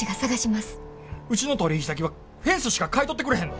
うちの取引先はフェンスしか買い取ってくれへんぞ。